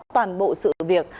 toàn bộ sự việc